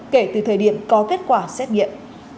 kể từ thời điểm có kết quả xét nghiệm